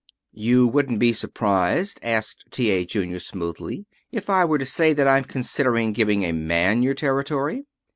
"You wouldn't be surprised," asked T. A. Junior smoothly, "if I were to say that I'm considering giving a man your territory?"